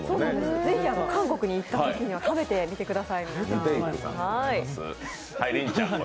ぜひ韓国に行ったときには食べてみてください、皆さん。